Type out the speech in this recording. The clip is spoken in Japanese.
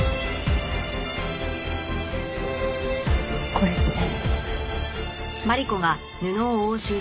これって。